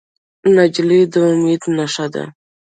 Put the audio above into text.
نجلۍ د امید نښه ده.